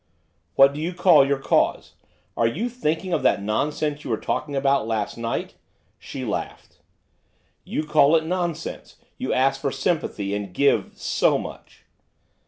'What do you call your cause? are you thinking of that nonsense you were talking about last night?' She laughed! 'You call it nonsense. You ask for sympathy, and give so much!